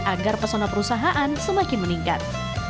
agar persona perusahaan semakin meningkat